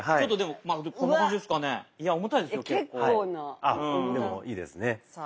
あっでもいいですね。